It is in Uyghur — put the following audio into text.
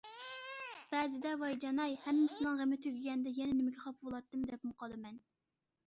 بەزىدە‹‹ ۋايجانەي، ھەممىسىنىڭ غېمى تۈگىگەندە يەنە نېمىگە خاپا بولاتتىم؟›› دەپمۇ قالىمەن.